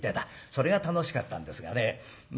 それが楽しかったんですがね。